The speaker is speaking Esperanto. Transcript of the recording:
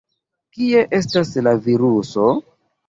Kie estas la viruso?